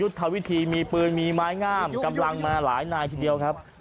ทวิธีมีปืนมีไม้งามกำลังมาหลายนายทีเดียวครับ